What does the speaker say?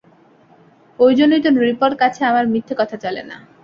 ঐজন্যেই তো নৃপর কাছে আমার মিথ্যে কথা চলে না।